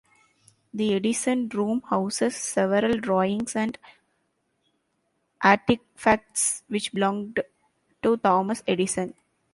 The Edison room houses several drawings and artifacts which belonged to Thomas Edison.